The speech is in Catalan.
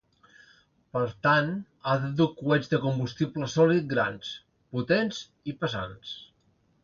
Per tant, ha de dur coets de combustible sòlid grans, potents i pesants.